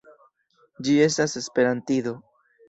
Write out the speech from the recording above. Ĝi estas esperantido.